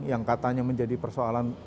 yang katanya menjadi persoalan